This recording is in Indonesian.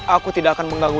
aku tidak akan mengganggu